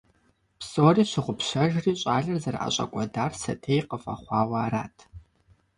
Псори щыгъупщэжри, щӏалэр зэрыӏэщӏэкӏуэдар сэтей къыфӏэхъуауэ арат.